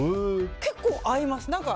結構、合います。